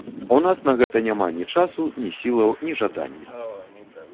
У нас на гэта няма ні часу, ні сілаў, ні жадання.